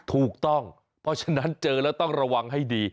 ถูกต้องเพราะฉะนั้นเจอแล้วต้องระวังให้ดี